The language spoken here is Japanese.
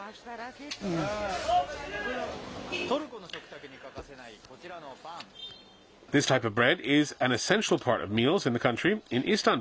トルコの食卓に欠かせないこちらのパン。